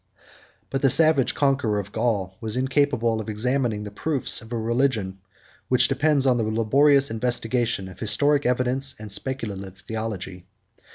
31 But the savage conqueror of Gaul was incapable of examining the proofs of a religion, which depends on the laborious investigation of historic evidence and speculative theology.